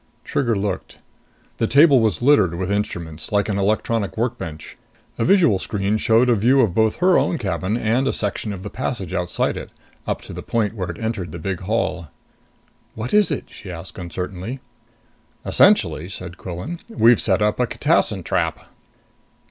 Trigger looked. The table was littered with instruments, like an electronic workbench. A visual screen showed a view of both her own cabin and a section of the passage outside it, up to the point where it entered the big hall. "What is it?" she asked uncertainly. "Essentially," said Quillan, "we've set up a catassin trap."